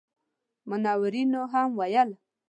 منورینو هم ویل.